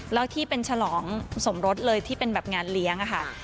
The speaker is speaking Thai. แล้วที่เป็นฉลองสมรสเลยที่เป็นแบบงานเลี้ยงค่ะ